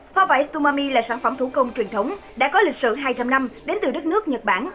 hoa vải tsumami là sản phẩm thủ công truyền thống đã có lịch sử hai trăm linh năm đến từ đất nước nhật bản